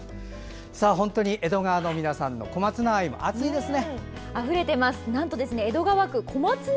本当に江戸川の皆さんの小松菜愛も熱いですね。